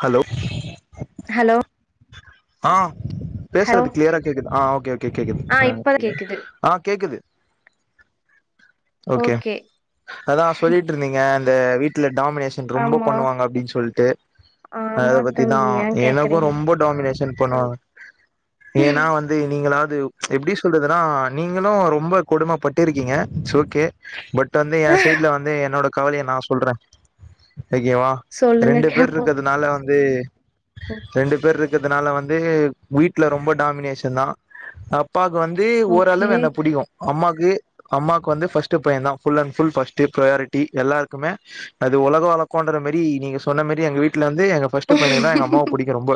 Hello hello ஆஹ் hello பேசுறது கிளியரா கேக்குது ஆஹ் ஓகே ஓகே கேக்குது ஆ இப்ப கேக்குது ஆஹ் கேக்குது ஓகே அதான் சொல்லிட்டு இருந்தீங்க அந்த வீட்டுல டாமினேஷன் ரொம்ப ஆமா பண்ணுவாங்க அப்படின்னு சொல்லிட்டு ஆமா அதை தம்பி பத்திதான் ஏன் எனக்கும் கேக்குறீங்க ரொம்ப டாமினேஷன் பண்ணுவாங்க ஏன்னா வந்து நீங்களாவது எப்படி சொல்றதுன்னா நீங்களும் ரொம்ப கொடுமை பட்டிருக்கீங்க இட்ஸ் ஓகே பட் வந்து என் சைட்ல வந்து என்னோட கவலையை நான் சொல்றேன் ஓகேவா சொல்லுங்க கேடப்போம் இதனால வந்து ரெண்டு பேர் இருக்கு இதுனால வந்து வீட்டுல ரொம்ப டாமினேஷன் தான் அப்ப அப்பாக்கு வந்து ஓகே ஓரளவு என்ன பிடிக்கும் அம்மாவுக்கு அம்மாவுக்கு வந்து ஃபர்ஸ்ட் பையன் தான் full and full first priority எல்லாருக்குமே அது உலக வளர்க்கோண்டற மரி நீங்க சொன்ன மரி எங்க வீட்டுல வந்து எங்க பர்சஸ்டு பையனுக்கு தான் எங்க அம்மா பிடிக்கும் ரொம்ப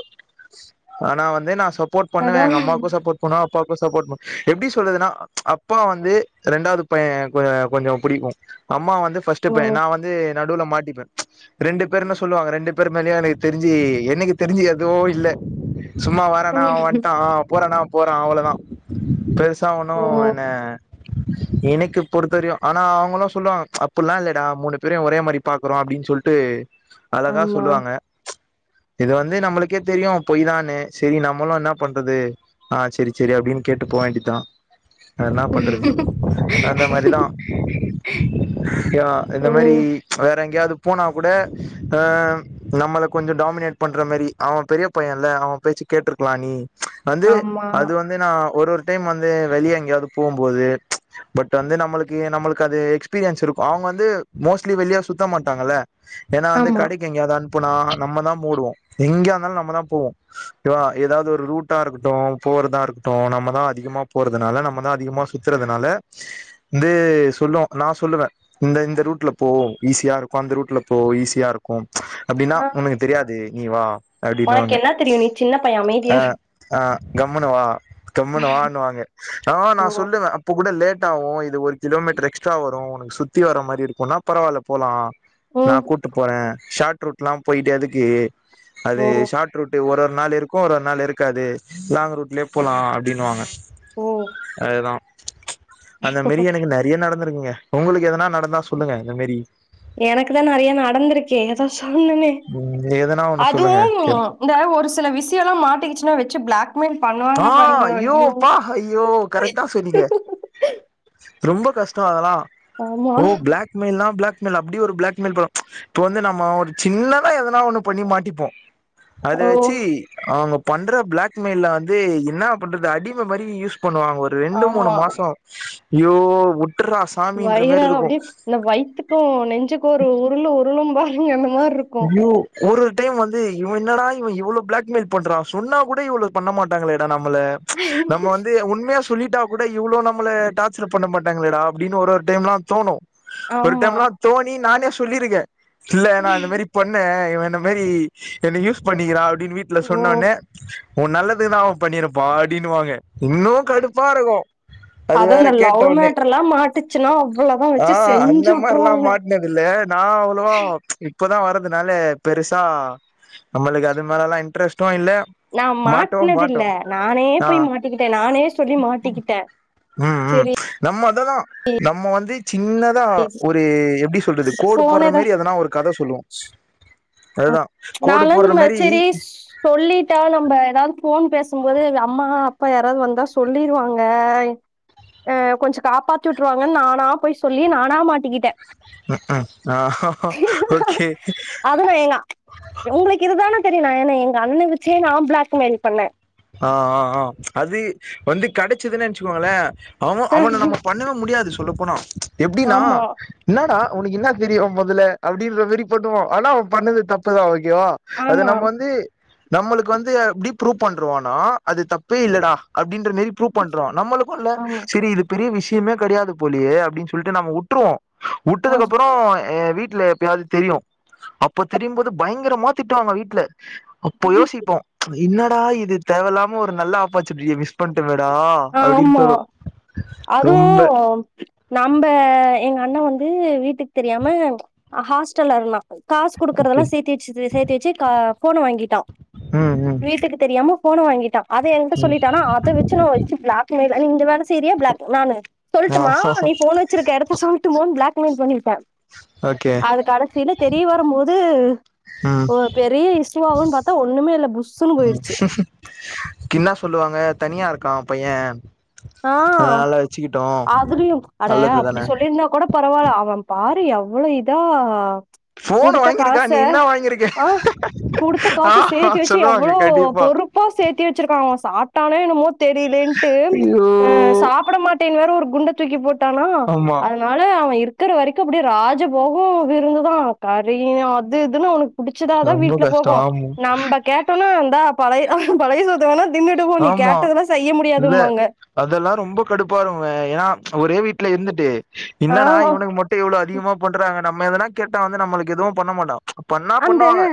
ஆனா வந்து நான் சொ சப்போர்ட் பண்ணுவ அதான் எங்க அமாக்கும் சப்பர்ட் போனா அப்பாக்கும் சப்போர்ட் பண்ண எப்படி சொல்றதுன்னா அப்பா வந்து இரண்டாவது பையன் கொஞ்சம் பிடிக்கும் அம்மா வந்து பர்ஸ்ட் ஓ பையன் நான் வந்து நடுல மாட்டிப்பேன் ரெண்டு பேருு சொ சொல்லுவாங்க ரெண்டு பேர் மேலயும் எனக்கு தெரிஞ்சு என்னைக்கு தெரிஞ்சு எதுவும் இல்ல சும்மா வரே நா ம். வந்துட்டான் போறே நா போறோன் அவ்வளோதான் பெருசா ஓ ஒனும் என்ன உஹ எனக்கு பொறுத்தரியும் ஆனா அவங்களும் சொல்லுவாங்க அப்படில்லாம் இல்லடா மூணு பேரையும் ஒரே மாதிரி பாக்குறோம் அப்படின்னு சொல்லிட்டு அழகா ஆமா சொல்லுவாங்க இது வந்து நம்மளுக்கே தெரியும் பொய் தானு செரி நம்மளு இன்னா பண்றது ஆ செரி செரி அப்டின் கேட்டு போ வேண்டிதா வேற இன்னா பண்றது அந்த மாரிதா யா இந்த ஓ மாரி வேற எங்கேயாவ்து போனா கூட ஆ நம்மள கொஞ்சோ டாமினேட் பண்ற மாரி அவ பெரிய பைய இல்ல அவ பேச்சு கேட்ருக்லா நீ வந்து ஆமா அது வந்து நா ஒரு ஒரு டைம் வந்து வெளிய எங்கேயாவ்து போம் போது பட் வந்து நம்மளுக்கு நம்மளுக்கு அது எக்ஸ்பீரியன்ஸ் இருக்கும் அவுங்க வந்து மோஸ்ட்லி வெளிய சுத்த மாட்டாங்கல்ல ஏன்னா வந்து ஆமா கடைக்கு எங்கயாவ்து அன்ப்புனா நம்மதா ஓடுவோ எங்யா இருந்தாலு நம்மதா போவோ ஒ கே வா எதாவ்து ஒரு ரூட்டா இருக்கட்டும் போறதா இருக்கட்டும் நம்மதா அதிகமா போறதுனால நம்மதா அதிகமா சுத்துறதுனால ந்து சொல்லு நா சொல்லுவ இந்த இந்த ரூட்ல போ ஈஸியா இருக்கும் அந்த ரூட்ல போ ஈஸியா இருக்கும் அப்டின்னா ஆ உனக்கு தெரியாது நீ வா அப்டினு உனக்கு வாங்க என்ன தெரியும் நீ சின்ன பைய அமைதியா இரு ஆ கம்முன்னு வா கம்முன்னு வான்னுவாங்க ஆ நா ஓ சொல்லுவே அப் இப்ப கூட லேட் ஆவும் இது ஒரு கிலோமீட்ரு எக்ஸ்ட்ரா வரும் உனக் சுத்தி வர மாரி இருக்கும்னா பரவால போலா நா ம் கூட்டு போற ஷார்ட் ரூட்ல்லா போய்ட்டு எதுக்கு அது ஓ ஷார்ட் ரூட்டு் ஒரு ஒரு நாள் இருக்கும் ஒரு ஒரு நாள் இருக்காது லாங் ரூட்லயே போலா அப்டின்னுவாங்க ஓ அதுதா அந்த மிரியனக்கு நெர் றைய நடந்திருக்குங்க உங்குளுக்கு எதனா நடந்தா சொல்லுங்க இந்த மெரீ எனக்கு தா நெறய நடந்திருக்கே அதா சொன்னனே ம் எதனா ஒண்ணு சொல்லுங்க அதுவும் இந்த ஒரு சில விஷயல்லா மாட்டிக்கிச்சுன்னா வெச்சு பிளாக் மெயில் ஆ பண்ணுவாங்க பாருங்க ஐயோ ப்பா ஐயோ ரொம்போ கஷ்ட்டோ அதல்லா ஆமா. ஓ பிளாக் மெயில் நா பிளாக் மெயில் அப்டி ஒரு பிளாக் மெயில் ப்ரோ இப்ப வந்து நம்ம ஒரு சின்னதா எதுனா ஒண்ணு பண்ணி மாட்டிப்போ அத ஓ! வெச்சி அவங்க பண்ற பிளாக் மெயில்லா வந் து இன்னா பண்றது அடிம மாரி யூஸ் பண்ணுவாங்க ஒரு ரெண்டு மூணு ஆமா. மாசோ யோ உட்டுறா வயிற அப்டியே இந்த வயித்துக்கும் நெஞ்சுக்கு ஒரு உருள உருளும் பாருங்க அந்த மார்ருக் ஐயோ ஒரு டைம் வந்து இவ என்னடா இவ இவ்ளோ பிளாக் மெயில் பண்றா சொன்னா கூட இவ்ளோ பண்ண மாட்டாங்களேடா நம்மள நம்ம வந்து உண்மையா சொல்லிட்டா கூட இவ்ளோ நம்மள டார்ச்சர் பண்ண மாட் டாங்களேடா அப்டின் ஒரு ஒரு டைம்லா தோணும் ஒரு ஆமா. டைம்லா தோணி நானே சொல்லியிருக்க இல்ல நா இந்த மாரி பண்ணே இவ இந்த மாரி என்ன யூஸ் பண்ணிக்கிறா அப்டினு வீட் ட்ல ஓ! சொன்ன ஒன்னே உன் நல்லதுக்கு தா அவ பண்ணி இருப்பா அப்டின்னு வாங்கா இன்னு கடுப்பாருக்கும் [inaudible] அதே மாரி லவ் மேட்ருல்லா மாட்டுச்சுன்னா அவ்ளவு வா வெச்சு செஞ்சு உட்ருவாங்க என்னதில்ல நா அவ்ளவா இப்போதா வர்றதுனால பெருசா நம்மளுக்கு அது மேலல்லா இன்ட்ரெஸ்ட்டும் இல்ல நா மாட்டவு மாட்னது மாட்டோ இல்ல நானே ஆ போய் மாட்டிக்கிட்ட நானே சொல்லி மாட்டிக்கிட்ட ம் ம் நம்ம அததா நம்ம வந்து சின்ன தா ஒரு எப்டி சொல்றது கோடு ஃபோனே போர்ற தான் மாரி எதுனா ஒரு கத சொல்லுவோ அது தா நானும் இந் மாரி செரிஸ் சொல்லிட்டா நம்ப எதாவ்து ஃபோன் பேசும்போது அம்மா அப்பா யாராவ்து வந்தா சொல்லிருவாங்க அஹ் கொஞ்ச காப்பாத்தி விட்ருவாங்கன்னு நானா போய் சொல்லி நானா மாட்டிக்கிட்டே உம் உம் ஆஹ ஓகே வூக வேங்கா உங்களுக்கு இதுதானே தெரியும் நா ஏன்ன எங்க அண்ணன வெச்செ நா பிளாக்மெயில் பண்ணே ஆஹ் ஆஹ்ஹ் அது வந்து கெடச்சுதுனு நெனச்சுக்கோங்களே அவ அவன நம்ம பண்ணவே முடியாது சொல்ல போனா எப்டினா ஆமா என்னடா உனக்கு இன்ன தெரியும் முதல அப்டின்ற மாரி பண்ணுவோ ஆனா அவ பண்ணது தப்புதா ஓகேவா அது ஆமா நம்ம வந்து நம்மளுக்கு வந்து எப்படி ப்ரூவ் பண்ருவானா அது தப்பே இல்லடா அப்படின்ற மாரி ப்ரூவ் பண்றோம் நம்மளுக்கும்ல்ல ஆமா சரி இது பெரிய விஷயமே கிடையாது போலியே அப்படின்னு சொல்லிட்டு நம் விட்டுருவோம் ஆ விட்டதுக்கு அப்புறம் வீட்டுல எப்பயாவது தெரியும் அப்ப தெரியும்போது பயங்கரமா திட்டுவாங்க வீட்டுல அப்போ யோசிப்போம் என்னடா இது தேவயில்லாம ஒரு நல்ல ஆப்பர்ச்சுனிட்டிய மிஸ் பண்ணிட்டமேடா அப்படின்னு தோணும் ரொம்ப ஓகே நம்ப எங்க அண்ணா வந்து வீட்டுக்கு தெரியாம ஹாஸ்டல்ல இருந்தான் காசு ஓகே குடுக்கதேல்லாம் சேர்த்தி வச்சு சேர்த்தி வச்சு போனை வாங்கிட்டான் ம் ம் வீட்டுக்கு தெரியாம போனை வாங்கிட்டான் அதை என்கிட்ட ம் சொல்லிட்டானா அதை வச்சு ந பிளாக் நீ இந்த வே சரியா பிளாக் நானு ஆ சொல்லட்டுமா நீ போன் வச்சு வச்சுருக்கே இடத்த சொல்லட்டுமோ பிளாக்மெயில் பண்ணிட்டேன் ஓகே அதுக்கடைசியில தெரிய வரும் போது ம் பெரிய இஷிசிவி ஆகும்ன்னு பார்த்தா ஒண்ணுமே இல்ல புஷுன்னு போயிடுச்சு என்னா சொல்லுவாங்க தனியா இருக்கான் பையன் ஆஹ் அதுலும் அட நல்லது அப்படி தான சொல்லிருந்தா கூட பரவாயில்ல அவன் பாரு எவ்ளோ இதா ஃபோன் குடுத்த வாங்கிருக்கா நீ காசை இன்னா வாங்கிருக்க ஆஹ் குடுத்த ஆ காசு சேர்த்து வச்சு சொல்லுவாங்க எவ்வளோ கண்டிப்பா பொரு போப்பா சேர்த்தி வச்சிருக்காங்க சாப்பிட்டானே என்னமோ தெரியலேன்ட்டு ஐயோ அஹ சாப்பிட மாட்டேன்னு வேற ஒரு குண்ட தூக்கி போட்டானா ஆமா அ அதனால அவன் இருக்கிற வரைக்கும் அப்படியே ராஜபோகம் விருந்துதான் கறி அது இதுன்னு அவனுக்கு புடிச்சதாதான் ரொம்ப வீட்டுல கஷ்டோ போகும் ஆமா நம்ம கேட்டோம்னா இந்தா பழைய பழைய சொத்து வேன்னா தின்னுடுபோ நீ கேட்டதெல்லாம் செய்ய முடியாமாங்க அதெல்லாம் ரொம்ப கடுப்பா வரும்ங்க ஏன்னா ஒரே வீட்டுல இருந்துட்டு ஆ என்னன்னா இவனுக்கு மொட்டும் எவ்வளோ அதிகமா பண்றாங்க நம்ம எதனா கேட்டா வந்து நம்ம எதுவும் பண்ண மாட்டாம் பண்ணா அந்த பண்ணுவாங்க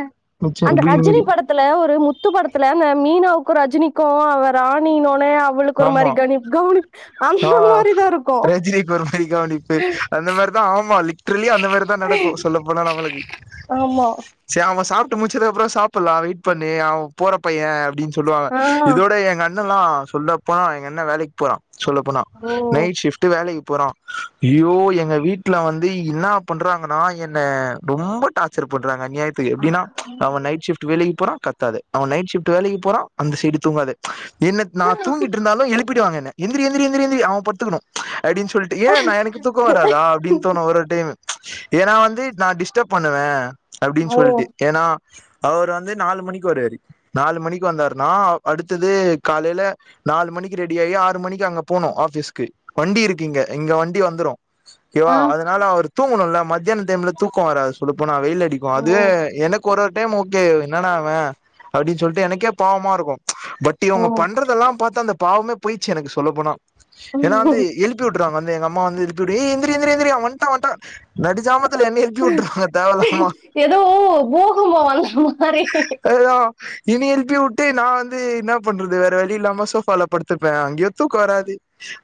கொஞ்சம் அந்த ரஜினி அப்படி படத்துல ஒரு முத்து படத்துல மீனாவுக்கும் ரஜினிக்கும் அவர் ராணினோனே அவ அவளுக்கு ஒரு ஆமா மாதிரி கி கவனி அந்த மாதிரிதான் இருக்கும் பெம கவனிப்பு அந்த மாதிரி தான் ஆமா லிட்ரலி அந்த மாதிரிதான் நடக்கும் சொல்ல போனால நம்மளுக்கு ஆமா சரி அவன் சாப்பிட்டு முடிச்சது அப்புறம் சாப்பிடலாம் வெயிட் பண்ணி அவன் போற பையன் அப்படின்னு சொல்லுவாங்க ஆ இதோட எங்க அண்ண எல்லாம் சொல்ல போனா எங்க அண்ண வேலைக்கு போறான் சொல்ல போனா ஓ நைட் ஷிப்ட்டு வேலைக்கு போகிறோம் ஐயோ எங்கள் வீட்டில் வந்து என்ன பண்ணுறாங்கன்னா என்ன ரொம்ப டார்ச்சர் பண்றாங்க அநியாயத்துக்கு எப்படின்னா அவ நைட் ஷிப்ட் வேலைக்கு போற கத்தாது அவன் நைட் ஷிப்ட் வேலைக்கு போறான் அந்த சைடு தூங்காத என்ன தூங்கிட்டு இருந்தாலும் எழுப்பிடுவங்க எந்திரி எந்திரிரிரி அவ பத்துக்கணும் அப்படின்னு சொல்லிட்டு ஏன் நான் எனக்கு தூக்கம் வராதா அப்படின்னு தோணும் ஒரு டைம் ஏன்னா வந்து நான் டிஸ்டர்ப் பண்ணுவேன் அப்படின்னு ஓ சொல்லிட்டு ஏன்னா அவர் வந்து நாலு மணிக்கு வராரு நாலு மணிக்கு வந்தாருனா அடுத்தது காலையில நாலு மணிக்கு ரெடி ஆகி ஆறு மணிக்கு அங்க போனோம் ஆஃபிஸ்க்கு வண்டி இருக்குங்க இங்க வண்டி வந்துடும் ஓகேவா ஆ அதனால அவர் தூங்கணும்ல மத்ததியானம் டைம்ல தூக்கம் வராது சொல்லு போனா வெயில் அடிக்க ஓ அதுவே எனக்கு ஒரு ஒரு டைம் ஓகே என்னன்டா இவ அப்படின்னு சொல்லிட்டு எனக்கே பாவமா இருக்கும் பட் இவங்க பண்றதெல்லாம் பார்த்தா அந்த பாவமே போயிச்சு எனக்கு சொல்ல போனா ஏன்னா ஓ வந்து எ விட்டுங்க வந்து எங்க அம்மா வந்து தப்பிிரிிர வ நடிஜாம ஏதோ போகும்ப வந்த மாதிரி அதான் இனி எழுப்பி விட்டு நான் வந்து என்ன பண்றது வேற வழி இல்லாம பலப்படுத்திருப்பேன் அங்கயத்தும் வராது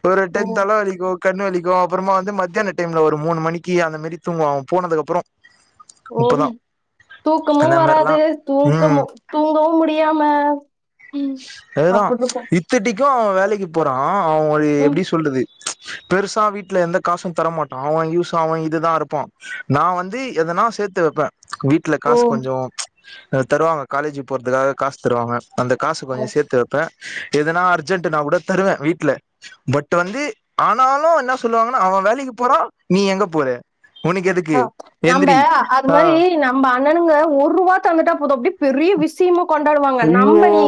ஒரு ஓ டென் அளவக்கு கண் வலிக்கும் அப்புறமா வந்து மத்தியான டைம்ல ஒரு மூணு மணிக்கு அந்த மாரி தூங்குவம் போனதுக்கு அப்புறம் ஓ தூக்கமும் அந்த மாரிலா வராது தூக்க ம் தூங்கவும் முடியாம அதுதா அப்டிருக்கு இப்பதிக்கு அவன் வேலைக்கு போறா அவுங்களு ம் எப்டி சொல்றது பெருசா வீட்ல எந்த காசு தரமாட்டா அவன் யூஸ் அவன் இதுதா இருப்பா நா வந்து எதனா சேத்து வெப்ப வீ வீட்ல ஓ காசு கொஞ்சோ த தருவாங்க காலேஜ் போற்துக்காக காசு தருவாங்க அந்த காசு கொஞ்சோ சேத்து ப எதனா அர்ஜென்ட்டுனா கூட தருவே வீட்ல பட் வந்து ஆனாலு என்ன சொல்லுவாங்கன்னா அவன் வேலைக்கு போறா நீ எங்க போற உனக்கு எதுக்கு அ நம்ப எந்திரி அது ஆ மாரி நம்ம அண்ணனுங்க ஒருவா தந்துட்டா போது அப்டி பெரிய விஷயமா கொண்டாடுவாங்க ஐயோ நம்ப நீ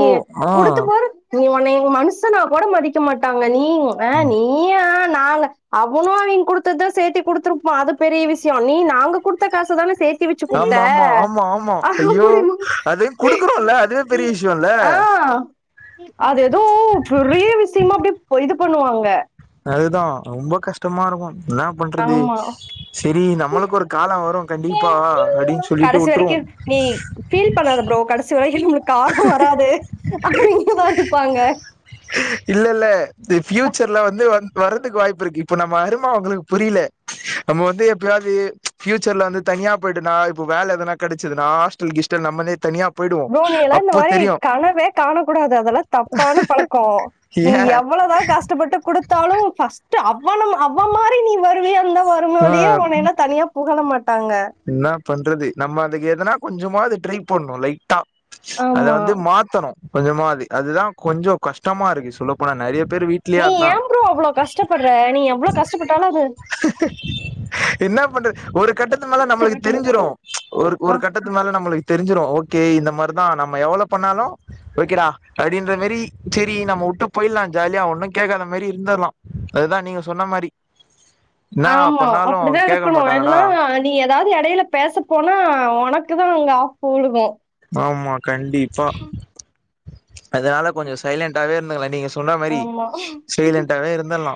ஆ குடுத்து பாரு நீ ஒன்னய மனுசனா கொட மதிக்க மாட்டாங்க நீ அ நீ நீ நா அவனு அவன் கொடுத்ததுதா சேர்த்து கொடுத்துருப்பா அது பெரிய விஷய ஜாமி நாங்க குடுத்த காச தான சே ஆமா ஆமா ஆமா ஆமா ஐயோ அப்டிம்பா அது குடுக்குறோல அதுவே பெரிய விஷ் ஜீவல்ல ஆ அது எதோ பெரிய விஷிமா அப்டே போ இது பண்ணுவாங்க அதுதா ரொம்ப கஷ்டமா இருக்கு இன்னா பண்றது ஆமா செரி நம்மளுக்கு ஒரு காலோ வரும் கண்டிப்பா அப்டின்னு சொல்லிட்டு கடைசி வுட்டுருவோ வரைக்கு நீ ஃபீல் பண்ணாத ப்ரோ கடைசி வரைல நம்ளுக்கு கார்வம் வராது அப்ற இங்கதா இருப்பாங்க இல்ல இல்ல து ஃப்யூச்சர்ல வந்து வ வர்றதுக்கு வாய்ப்பிருக்கு இப்ப நம்ம அரும அவுங்களுக்கு புரில நம்ம வந்து எப்பயாவ்து ஃபியூச்சர்ல வந்து தனியா போயிட்டோன்னா இப்ப வேல எதனா கெடச்சுதுனா டல் கெஸ்டல் நம்மளே தனியா போய்டுவோ ப்ரோ நீயெல்லா இந்த மாரி கனவே காண கூடாது அதெல்லா தப்பான பழக்கோ நீ ஏ எவ்வளவுதா கஷ்டப்பட்டு குடுத்தாலு பஸ்ட்டு அவனமா அவமாரி நீ வருவியாந்த ஆ மறுபடியு உன்ன என்ன தனியா புகழ் மாட்டாங்க இன்னா பண்றது நம்ம அதுக்கு எதுனா கொஞ்சமாது ட்ரி பண்ணு லைட்டா அத ஆமா வந்து மாத்தணு கொஞ்சமா அது அதுதான் கொஞ்சம் கஷ்டமா இருக்கு சொல்ல போனா நெறைய பேரு வீட்ல நீ ஏ ப்ரோ அவ்வளௌ கஷ்டப்பட்ற நீ எவ்வளோ கஷ்டப்பட்டாலு அது இன்னா பண்றது ஒரு கட்டத் த்து மேல சரி நம்மளுக்கு போய் டிவி தெரிஞ்சிரு போட்டு ஒரு ஆ ஒரு கட்டத்து மேல நம்மளுக்கு தெரிஞ்சிரு ஓகே இந்த மாரிதா நம்ம எவ்ளோ பண்ணாலு ஓகேடா அப்டின்ற மாரி சேரி நம்மோ உட்டு போய்லா ஜாலியா ஒண்ணு கேக்காத மாரி இருந்துற்லா அதுதா நீங்க சொன்ன மாரி என்னா ஆமா பண்ணாலு அப்டிதா கேக்க இருக்கணு மாட்டாங்கடா எல்லா நீ எதாது எடையில பேசப்ப போனா ஒனக்குதா அங்க ஆப்புவுழுகு ஆமா கண்டிப்பா அதனால கொஞ்சோ சைலன்டாவே இருந்துக்கலா நீங்க சொன்ன மாரி ஆமா. செய்லண்ட்டாவே இருந்தர்லா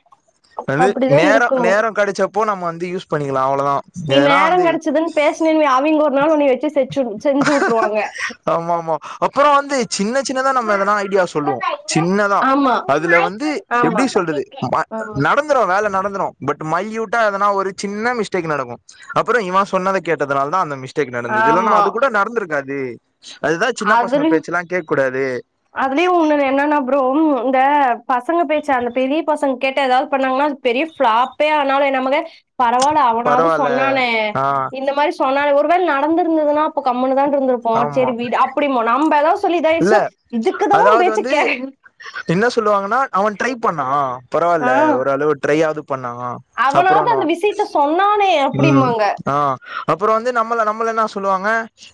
அது அப்படிதான் நேர இருக்கணும். நேர கடச்ச போ நம் வந்து யூஸ் பண்ணிக்கலா அவ்வளதா நீ நேரன் கெடச்சதுன் பேஸ்னென் வை அவிங்க ஒரு நாள் ஒன்னய வச்சு செச்சு செஞ்சு வுட்டுருவாங்க ஆமா ஆமா அப்புறோ வந்து சின்ன சின்னதா நம்ம எதனா ஐடியா சொல்லுவோ ஜின்னதா ஆமா, அதுல வந்து ஆமா. எப்டி சொல்றது ப ஆமா, நட ந்ரு வேல நடந்துரும் பட் மல்யூட்டா எதனா ஒரு ஜின்ன மிஸ்டேக் நடக்கு அப்புற இவன் சொன்னதா கேட்டதனால தா அந்த மிசின் டேக்கு நடந்தது இல்லன்னா ஆமா. அது கூட நடந்திருக்காது அதுதா சின்ன பசங்க பேச்சுலா கேக்கூடாது அதுலியு உன்னோனு என்னன்னா அப்புறோ இந்த பசங்க பேச்சா அந்த பெரிய பசங்க கேட்ட ஏதாவது பண்ணாங்கன்னா அது பெரிய ஃபிளாப் பே ஆனாலு நமக்கே பரவாயில்ல அவ்னாவது பரவால்ல சொன்னான ஆ இந்த மாரி சு சொன்னா ஒருவேள நடந்திருந்ததுன்னா அப்ப கம்முனு தா இருந்துருப் பா ஆமா சேரி விடு அப்டிம்போ நம்ப எதா சொல்லி இல்ல இதாய்ச்சுனா இதுக்கு தா அதாவது பேச்சு வந்து க என்ன சொல்லுவாங்கன்னா அவெ ட்ரை பண்ணா பரவால்ல ஆ ஓரளவு ட்ரை ஆவுது பண்ணாங்க சப்றோனோ மிஸுகிட்ட சொன்னானே ம் அப்படிம்பாங்க ஆ அப்றோ வந்து நம்மள நம்மள என்ன சொல்லுவாங்க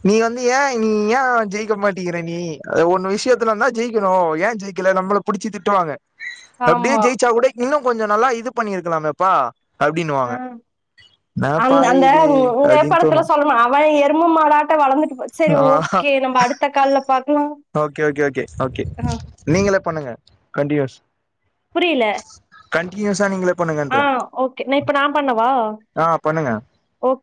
நீ வந்து ஏ நீ ஏ ஜெயிக்க மாட்டேங்கிறே நீ ஒன்னு விஷயத்துலனா ஜெயிக்கணு ஏ ஜெயிக்கல நம்மள புடிச்சி திட்டுவாங்க அப்டியே ஆமா ஜெயச்சா கூட இன்னு கொஞ்சோ நல்லா இது பண்ணிருக்கலாமேப்பா அப்டின்னுுவாங்க அந் அந்த இந்த அப்டின்னு தோணு படத்துல சொல்வா அவ எரும் மாடாட்ட வளர்ந்துட்டு சரி ஆ ஓகே நம்ம அடுத்த கால்ல பாக்கலா ஓகே ஓகே ஓகே ஓகே நீங்களே பண்ணுங்க கன்டீயூஸ் புரியல கண்டியூஸா நீங்களே ஆ பண்ணுங்கன்ற ஓகே நான் இப்ப நான் பண்ணவா ஆ பண்ணுங்க ஓகே